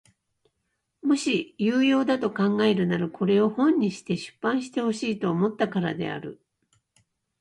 もし有用だと考えるならこれを本にして出版してほしいと思ったからである。